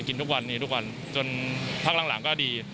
กินทุกวันนี้ทุกวันจนพักหลังก็ดี